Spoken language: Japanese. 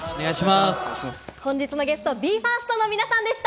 本日のゲスト、ＢＥ：ＦＩＲＳＴの皆さんでした！